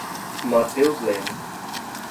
Mateus Leme